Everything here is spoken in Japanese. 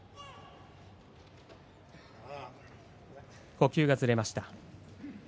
呼吸がずれました。